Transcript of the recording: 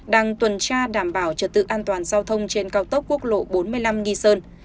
đang tuần tra đảm bảo trật tự an toàn giao thông trên cao tốc quốc lộ bốn mươi năm nghi sơn